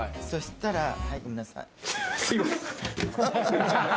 そしたら。